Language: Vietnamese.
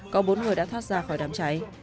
có bốn người đã thoát ra khỏi đám cháy